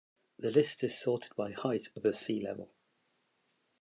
The list is sorted by height above sea level.